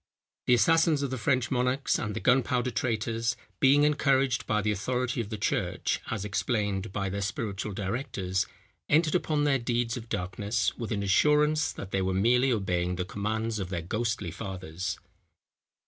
The assassins of the French monarchs and the Gunpowder traitors, being encouraged by the authority of the church, as explained by their spiritual directors, entered upon their deeds of darkness, with an assurance, that they were merely obeying the commands of their ghostly fathers.